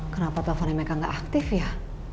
kenapa teleponnya mereka gak aktif ya